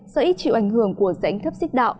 do ít chịu ảnh hưởng của rãnh thấp xích đạo